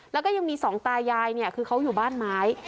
แล้วก็ยังมีสองตายายเนี่ยคือเขาอยู่บ้านไม้